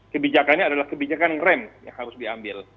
kebijakannya adalah kebijakan rem yang harus diambil